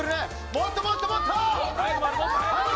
もっともっともっと！